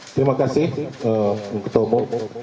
terima kasih bung ketomo